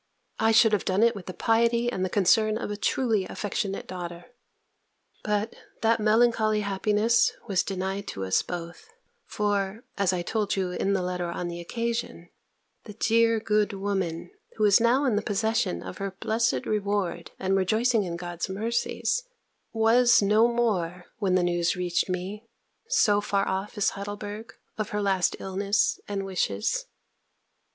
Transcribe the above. I should have done it with the piety and the concern of a truly affectionate daughter. But that melancholy happiness was denied to us both; for, as I told you in the letter on the occasion, the dear good woman (who is now in the possession of her blessed reward, and rejoicing in God's mercies) was no more, when the news reached me, so far off as Heidelburgh, of her last illness and wishes.